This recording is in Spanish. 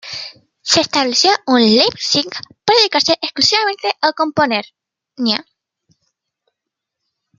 Se estableció en Leipzig para dedicarse exclusivamente a componer.